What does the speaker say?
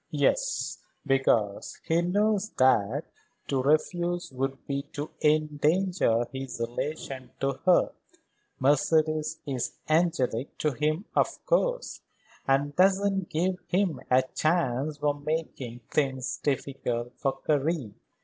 "Yes; because he knows that to refuse would be to endanger his relation to her. Mercedes is angelic to him of course, and doesn't give him a chance for making things difficult for Karen.